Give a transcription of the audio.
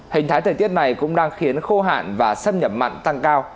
hình thái thời tiết này cũng đang khiến khô hạn và xâm nhập mặn tăng cao